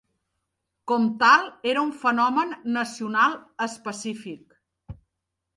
Com tal era un fenomen nacional específic.